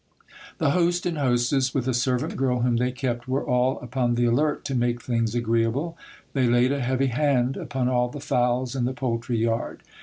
The host and hostess, with a servant girl whom they kept, were all upon the alert to make things agreeable. They laid a heavy hand upon all the fowls in the poultry yard.